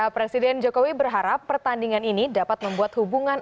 presiden jokowi berharap pertandingan ini dapat membuat hubungan